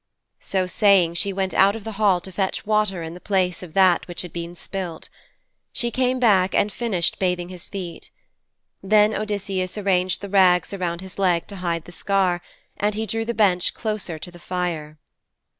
So saying she went out of the hall to fetch water in the place of that which had been spilt. She came back and finished bathing his feet. Then Odysseus arranged the rags around his leg to hide the scar, and he drew the bench closer to the fire.